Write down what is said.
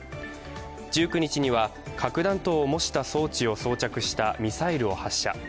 １９日には核弾頭を模した装置を装着したミサイルを発射。